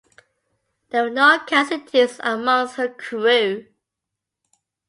There were no casualties amongst her crew.